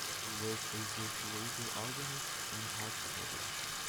He was a virtuoso organist and harpsichordist.